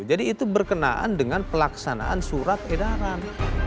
jadi itu berkenaan dengan pelaksanaan surat edaran